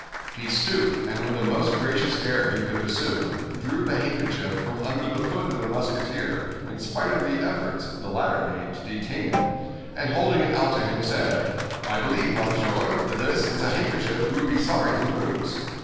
He stooped, and with the most gracious air he could assume, drew the handkerchief from under the foot of the Musketeer in spite of the efforts the latter made to detain it, and holding it out to him, said, "I believe, monsieur, that this is a handkerchief you would be sorry to lose?"